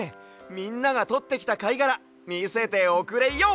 みんながとってきたかいがらみせておくれＹＯ！